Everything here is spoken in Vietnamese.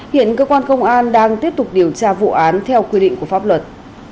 hiện cơ quan công an đang tiếp tục điều tra vụ án theo quy định của pháp luật